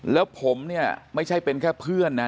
แล้วผมเนี่ยไม่ใช่เป็นแค่เพื่อนนะ